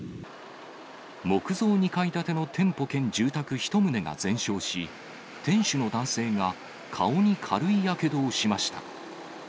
木造２階建ての店舗兼住宅１棟が全焼し、店主の男性が顔に軽いやけどをしました。